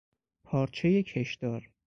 پارچهی کشدار